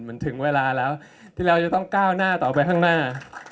มันถึงเวลาแล้วที่เราจะต้องก้าวหน้าต่อไปข้างหน้า